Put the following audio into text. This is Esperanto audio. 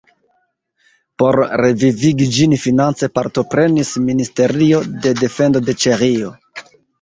Por revivigi ĝin finance partoprenis Ministerio de defendo de Ĉeĥio.